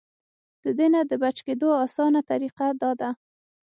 د دې نه د بچ کېدو اسانه طريقه دا ده -